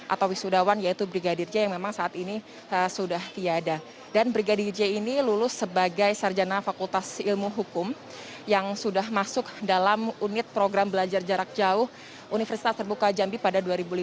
atau wisudawan yaitu brigadir j yang memang saat ini sudah tiada dan brigadir j ini lulus sebagai sarjana fakultas ilmu hukum yang sudah masuk dalam unit program belajar jarak jauh universitas terbuka jambi pada dua ribu lima belas